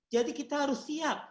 jadi kita harus siap